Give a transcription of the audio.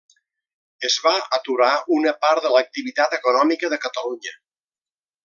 Es va aturar una part de l’activitat econòmica de Catalunya.